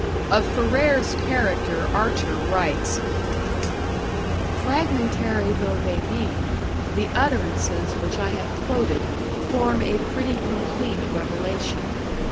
Of Ferrer's character Archer writes: Fragmentary though they be, the utterances which I have quoted form a pretty complete revelation.